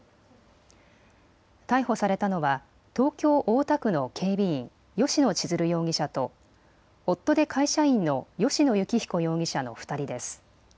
逮捕されたのは東京大田区の警備員、吉野千鶴容疑者と夫で会社員の吉野幸彦容疑者の２人です。